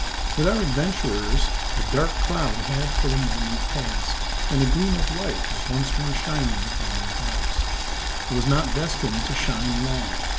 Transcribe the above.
With our adventurers the dark cloud had for the moment passed; and a gleam of light was once more shining upon their hearts. It was not destined to shine long.